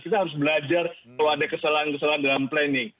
kita harus belajar kalau ada kesalahan kesalahan dalam planning